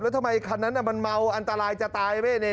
แล้วทำไมคันนั้นมันเมาอันตรายจะตายไหม